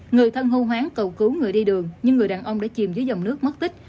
người thân hô hoáng cầu cứu người đi đường nhưng người đàn ông đã chìm dưới dòng nước mất tích